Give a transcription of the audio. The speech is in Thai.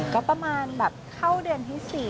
ก็ประมาณแบบเข้าเดือนที่๔